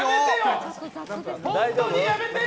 やめてよ！